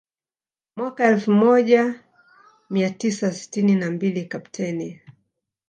Mwaka elfu moja mia tisa sitini na mbili Kapteni